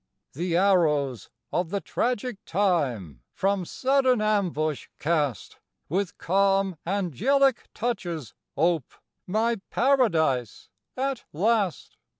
The arrows of the tragic time From sudden ambush cast, With calm angelic touches ope My Paradise at last!